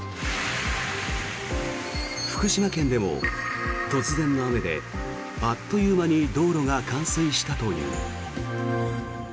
福島県でも突然の雨であっという間に道路が冠水したという。